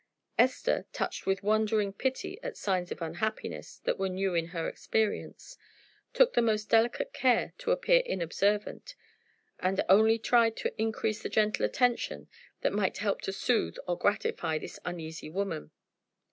Esther, touched with wondering pity at signs of unhappiness that were new in her experience, took the most delicate care to appear inobservant, and only tried to increase the gentle attention that might help to soothe or gratify this uneasy woman.